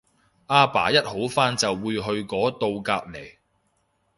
阿爸一好翻就會去嗰到隔離